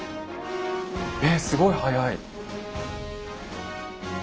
えすごい速い。